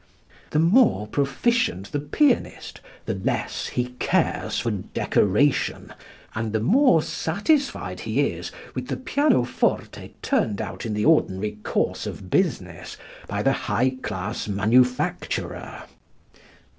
The more proficient the pianist the less he cares for decoration and the more satisfied he is with the pianoforte turned out in the ordinary course of business by the high class manufacturer.